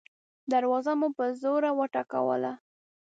دروازه مو په زوره وټکوله.